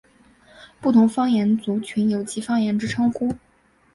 不同方言族群有其方言之称呼。